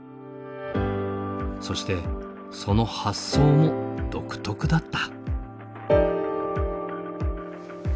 そしてその発想も独特だった。